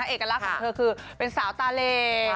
เอกลักษณ์ของเธอคือเป็นสาวตาเล